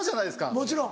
もちろん。